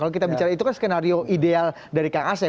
kalau kita bicara itu kan skenario ideal dari kang asep